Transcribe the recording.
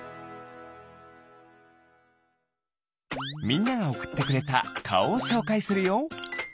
みんながおくってくれたかおをしょうかいするよ。